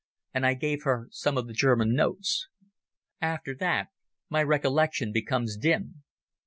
And I gave her some of the German notes. After that my recollection becomes dim.